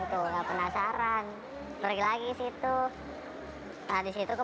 tuh di dalamnya itu ada